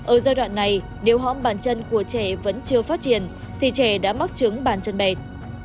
ở giai đoạn này nếu hom bàn chân của trẻ vẫn chưa phát triển thì trẻ đã mắc chứng bàn chân bệt